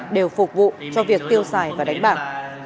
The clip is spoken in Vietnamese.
đều phục vụ cho việc tiêu xài và đánh bạc